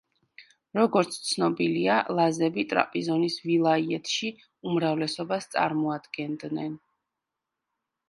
როგორც ცნობილია, ლაზები ტრაპიზონის ვილაიეთში უმრავლესობას წარმოადგენდნენ.